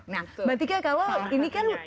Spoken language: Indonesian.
nah mbak tika kalau ini kan